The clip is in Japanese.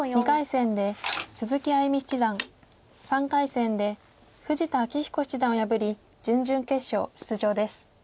２回戦で鈴木歩七段３回戦で富士田明彦七段を破り準々決勝出場です。